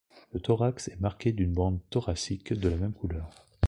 Le thorax est marqué d'une bande thoracique de la même couleur.